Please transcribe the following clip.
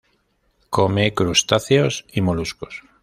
Come crustáceos y moluscos.